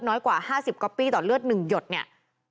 น้อยกว่า๕๐ก๊อปปี้ต่อเลือด๑หยดเนี่ย